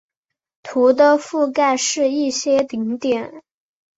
图的覆盖是一些顶点。